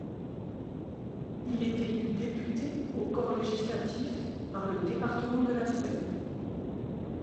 Il est élu député au Corps législatif par le département de la Seine.